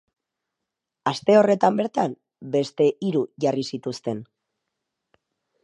Aste horretan bertan, beste hiru jarri zituzten.